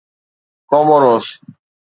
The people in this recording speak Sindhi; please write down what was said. ڪوموروس